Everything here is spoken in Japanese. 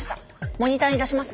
モニターに出します。